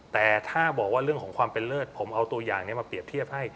แต่ถ้าบอกว่าเรื่องของความเป็นเลิศผมเอาตัวอย่างนี้มาเปรียบเทียบให้